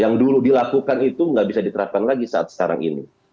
yang dulu dilakukan itu nggak bisa diterapkan lagi saat sekarang ini